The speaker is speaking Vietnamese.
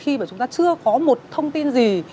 khi mà chúng ta chưa có một thông tin gì